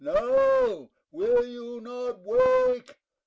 ] No, will you not wake?